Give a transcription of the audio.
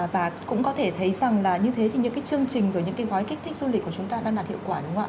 và cũng có thể thấy rằng là như thế thì những cái chương trình rồi những cái gói kích thích du lịch của chúng ta đang đạt hiệu quả đúng không ạ